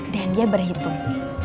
dan dia berhitung